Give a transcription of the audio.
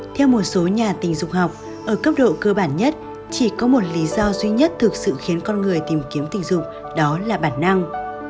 theo một số nhà tình dục học ở cấp độ cơ bản nhất chỉ có một lý do duy nhất thực sự khiến con người tìm kiếm tình dục đó là bản năng